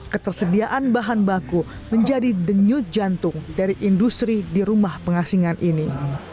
ketersediaan bahan baku menjadi denyut jantung dari industri di rumah pengasingan ini